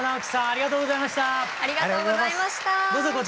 ありがとうございます。